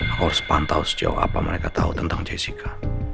aku harus pantau sejauh apa mereka tahu tentang jessica